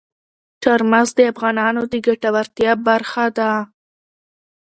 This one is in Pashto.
چار مغز د افغانانو د ګټورتیا برخه ده.